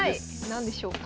何でしょうか。